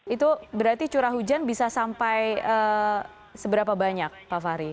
itu berarti curah hujan bisa sampai seberapa banyak pak fahri